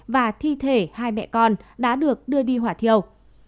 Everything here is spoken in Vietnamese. và thi thể hai mẹ con đã được đưa đi hỏa thiêu